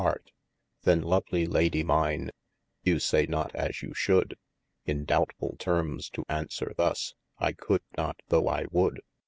Then lovelie Ladie mine, you saie not as you should, In doutful tearms to answere thus : I could not though I would.